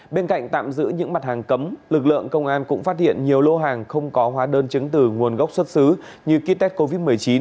bên cạnh tạm giữ những mặt hàng cấm lực lượng công an cũng phát hiện nhiều lô hàng không có hóa đơn chứng từ nguồn gốc xuất xứ như ký test covid một mươi chín